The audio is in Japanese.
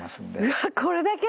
うわあこれだけ？